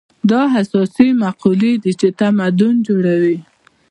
دا اساسي مقولې دي چې تمدن جوړوي.